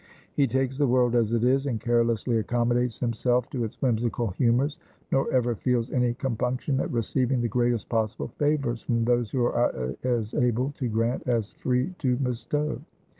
He takes the world as it is; and carelessly accommodates himself to its whimsical humors; nor ever feels any compunction at receiving the greatest possible favors from those who are as able to grant, as free to bestow.